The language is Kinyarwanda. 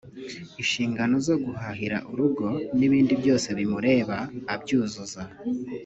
ishingano zo guhahira urugo n’ibindi byose bimureba abyuzuza